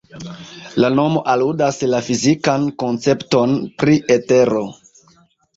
La nomo aludas la fizikan koncepton pri etero.